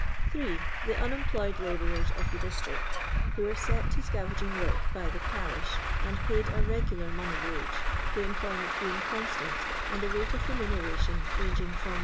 8. The unemployed labourers of the district, who are set to st avaging work by the parish, and paid a regular m(»ney wage — the employment being constant, and the rate of remuneration ranging from 1*.